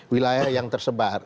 wilayah yang tersebar